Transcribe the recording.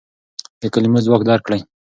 د کلمو ځواک درک کړئ.